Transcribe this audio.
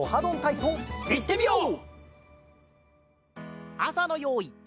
いってみよう！